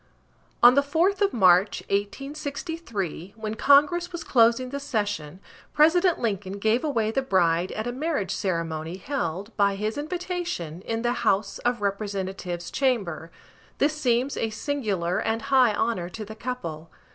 On the 4th of March, 1863, when Congress was closing the session, President Lincoln gave away the bride at a marriage ceremony held by his invitation in the House of Representatives' chamber. This seems a singular and high honor to the couple.